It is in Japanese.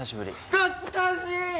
懐かしい！